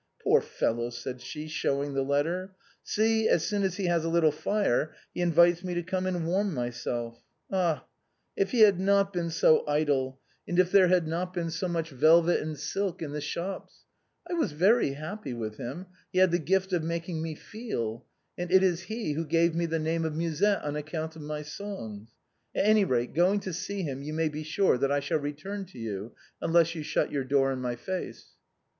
Poor fellow," said she, showing the letter, " see, as soon as he has a little fire, he invites me to come and warm myself. Ah ! if he had not been so idle^, and if there had 258 THE BOHEMIANS OF THE LATIN QUARTER. not been so much velvet and silk in the shops ! I was very happy with him, he had the gift of making me feel ; and it is he who gave me the name of Musette on account of my songs. At any rate, going to see him you may be sure that I shall return to you .. unless you shut your door in my face."